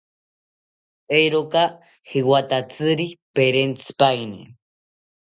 ¿Eeroka jewatatziri perentzipaeni?